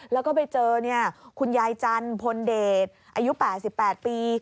แล้วก็ไปเจอคุณยายจันพลเดชอายุ๘๘ปี